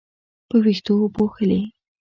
په وېښتو پوښلې